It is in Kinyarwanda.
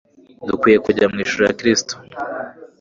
Dukwiye kujya mu ishuri rya Kristo